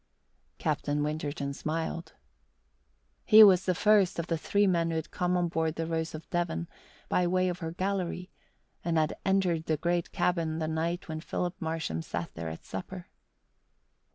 Captain Winterton smiled. He was the first of the three men who had come on board the Rose of Devon by way of her gallery, and had entered the great cabin the night when Phil Marsham sat there at supper.